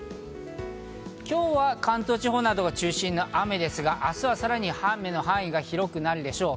今日は関東地方などが中心の雨ですが、明日はさらに雨の範囲が広くなるでしょう。